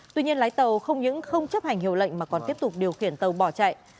tuy nhiên lái tàu không những không chấp hành hiệu lệnh mà còn tiếp tục điều khiển tàu bỏ chạy